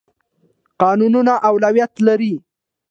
قانون اولیت لري.